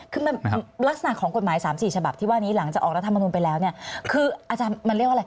คือมันลักษณะของกฎหมาย๓๔ฉบับที่ว่านี้หลังจากออกรัฐมนุนไปแล้วเนี่ยคืออาจารย์มันเรียกว่าอะไร